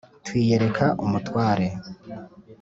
twiyereka umutware